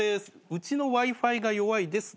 「うちのＷｉ−Ｆｉが弱いです。